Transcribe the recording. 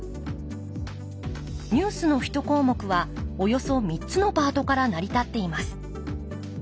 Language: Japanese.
ニュースの１項目はおよそ３つのパートから成り立っています。